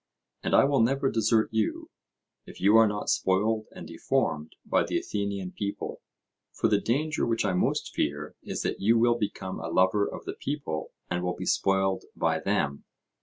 And I will never desert you, if you are not spoiled and deformed by the Athenian people; for the danger which I most fear is that you will become a lover of the people and will be spoiled by them.